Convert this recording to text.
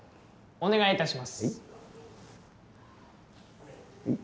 お願いいたします。